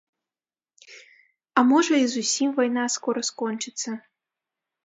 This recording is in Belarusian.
А можа, і зусім вайна скора скончыцца.